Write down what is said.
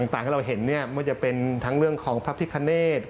ต่างที่เราเห็นไม่จะเป็นทั้งเรื่องของพระพิคเนธ